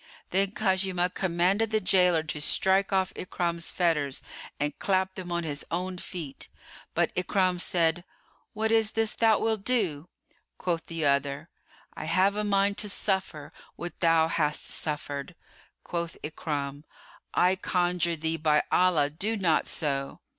Then Khuzaymah commanded the jailor to strike off Ikrimah's fetters and clap them on his own feet; but Ikrimah said, "What is this thou wilt do?" Quoth the other, "I have a mind to suffer what thou hast suffered." Quoth Ikrimah, "I conjure thee by Allah, do not so!"